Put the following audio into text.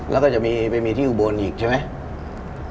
แล้วก็จะมีไปมีที่อุบลอีกใช่ไหม